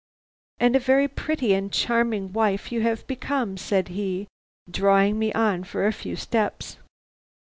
"'And a very pretty and charming wife you have become,' said he, drawing me on for a few steps.